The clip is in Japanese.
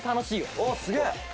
あっすげえ！